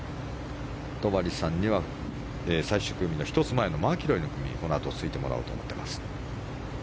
戸張さんには最終組の１つ前のマキロイの組に、このあとついてもらおうと思っています。